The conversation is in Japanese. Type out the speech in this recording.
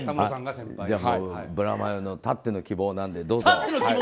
じゃあ、ブラマヨのたっての希望なので、どうぞ。